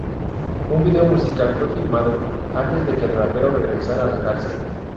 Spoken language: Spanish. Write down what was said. Un vídeo musical fue filmado antes de que el rapero regresara a la cárcel.